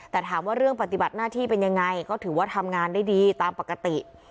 แต่ถามว่าเรื่องปฏิบัติหน้าที่เป็นยังไงก็ถือว่าทำงานได้ดีตามปกติ